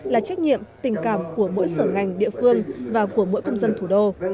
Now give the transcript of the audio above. là trách nhiệm tình cảm của mỗi sở ngành địa phương và của mỗi công dân thủ đô